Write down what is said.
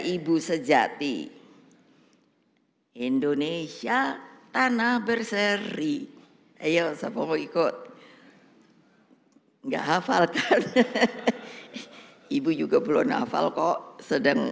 ibu sejati indonesia tanah berseri ayo sama ikut nggak hafal ibu juga belum hafal kok sedang